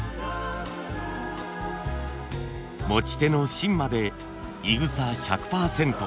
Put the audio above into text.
持ち手の芯までいぐさ１００％。